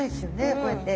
こうやってね。